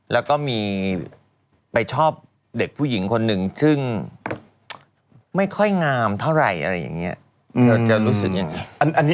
แล้วก็มีไปชอบเด็กผู้หญิงคนหนึ่งซึ่งไม่ค่อยงามเท่าไหร่อะไรอย่างนี้